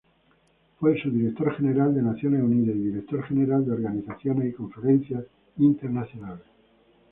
Fue Subdirector General de Naciones Unidas y Director General de Organizaciones y Conferencias Internacionales.